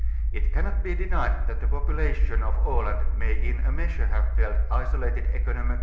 It cannot be denied that the population of Aland may in a measure have felt isolated economioall.